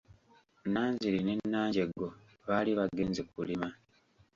Nanziri ne Nanjjego baali bagenze kulima.